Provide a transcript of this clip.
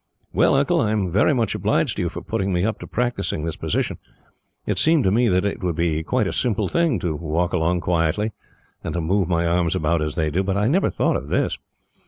"Well, Uncle, I am very much obliged to you for putting me up to practising this position. It seemed to me that it would be quite a simple thing, to walk along quietly, and to move my arms about as they do; but I never thought of this.